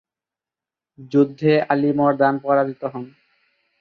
যুদ্ধে আলী মর্দান পরাজিত হন।